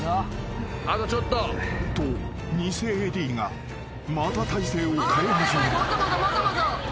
［と偽ＡＤがまた体勢を変え始める］